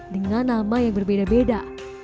dengan nama yang berbeda beda